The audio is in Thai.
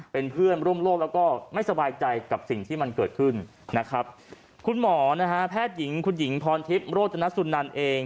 เป็นเพื่อนร่วมโลกแล้วก็ไม่สบายใจกับสิ่งที่มันเกิดขึ้นนะครับคุณหมอนะฮะแพทย์หญิงคุณหญิงพรทิพย์โรจนสุนันเอง